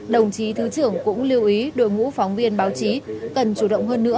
đồng chí thứ trưởng cũng lưu ý đội ngũ phóng viên báo chí cần chủ động hơn nữa